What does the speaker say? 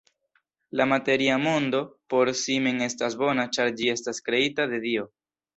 La materia mondo, por si mem, estas bona, ĉar ĝi estis kreita de Dio.